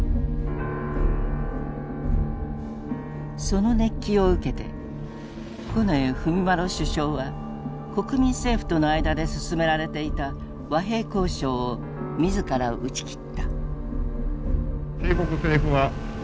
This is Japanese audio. その熱気を受けて近衛文麿首相は国民政府との間で進められていた和平交渉を自ら打ち切った。